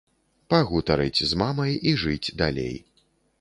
Пагутарыць з мамай і жыць далей.